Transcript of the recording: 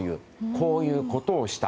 こういうことをした。